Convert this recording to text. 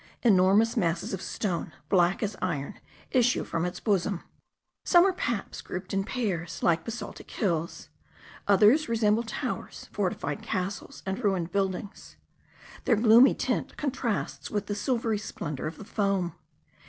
Enormous masses of stone, black as iron, issue from its bosom. Some are paps grouped in pairs, like basaltic hills; others resemble towers, fortified castles, and ruined buildings. Their gloomy tint contrasts with the silvery splendour of the foam.